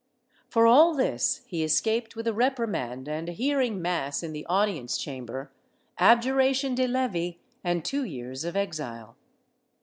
For all this he escaped with a reprimand and hearing mass in the audience chamber, abjuration de levi and two years of exile.